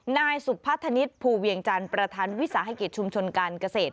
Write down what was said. นายสุพัฒนิษฐ์ภูเวียงจันทร์ประธานวิสาหกิจชุมชนการเกษตร